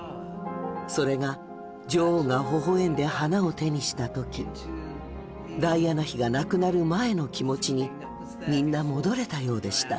それが女王がほほ笑んで花を手にした時ダイアナ妃が亡くなる前の気持ちにみんな戻れたようでした。